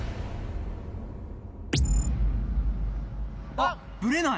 あっブレない。